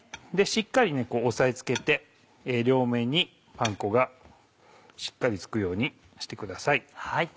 しっかり押さえつけて両面にパン粉がしっかり付くようにしてください。